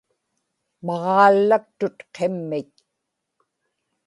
maġaallaktut qimmit